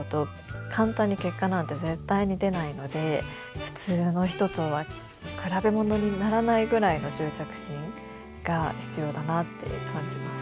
簡単に結果なんて絶対に出ないので普通の人とは比べ物にならないぐらいの執着心が必要だなって感じます。